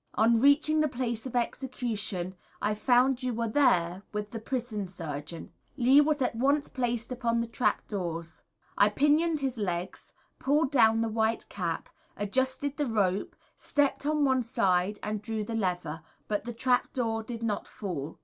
On reaching the place of execution I found you were there with the Prison Surgeon. Lee was at once placed upon the trap doors. I pinioned his legs, pulled down the white cap, adjusted the Rope, stepped on one side, and drew the lever but the trap door did not fall.